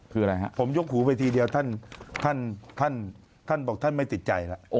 คืออะไรฮะผมยกหูไปทีเดียวท่านบอกท่านไม่ติดใจแล้ว